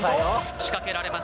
仕掛けられます。